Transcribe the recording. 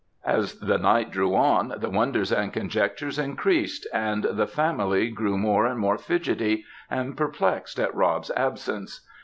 As the night drew on, the wonders and conjectures increased, and the family grew more and more fidgity and perplexed at Rob's absence.